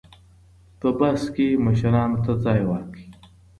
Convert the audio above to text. په بس کې مشرانو ته ځای ورکړئ.